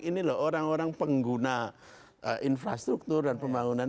ini loh orang orang pengguna infrastruktur dan pembangunan